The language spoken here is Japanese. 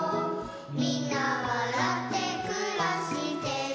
「みんなわらってくらしてる」